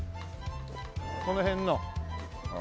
この辺の。